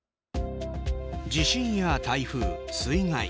地震や台風、水害。